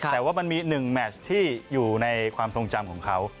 แต่ว่ามี๑แมทช์ที่อยู่ในความทรงจำของเขา